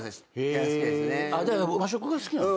和食が好きなの？